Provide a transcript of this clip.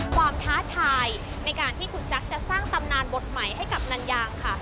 ท้าทายในการที่คุณจักรจะสร้างตำนานบทใหม่ให้กับนันยางค่ะ